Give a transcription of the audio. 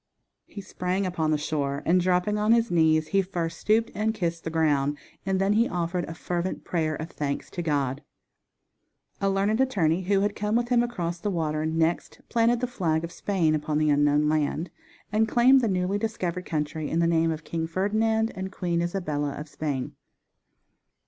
He sprang upon the shore, and dropping on his knees he first stooped and kissed the ground, and then he offered a fervent prayer of thanks to God. A learned attorney who had come with him across the water next planted the flag of Spain upon the unknown land, and claimed the newly discovered country in the name of King Ferdinand and Queen Isabella of Spain.